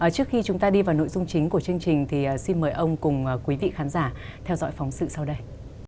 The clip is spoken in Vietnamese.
trước khi chúng ta đi vào nội dung chính của chương trình thì xin mời ông cùng quý vị khán giả theo dõi phóng sự sau đây